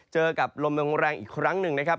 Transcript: เจอกับลมแรงอีกครั้งหนึ่งนะครับ